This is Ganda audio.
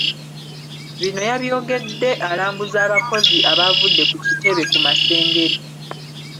Bino yabyogedde alambuza abakozi abaavudde ku kitebe ku Masengere.